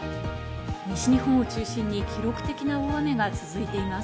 西日本を中心に記録的な大雨が続いています。